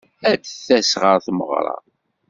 Ad d-tas ɣer tmeɣra.